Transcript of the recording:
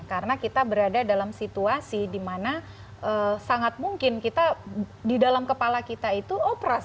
karena kita berada dalam situasi dimana sangat mungkin kita di dalam kepala kita itu operas